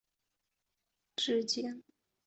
邹检验是一种统计和计量经济的检验。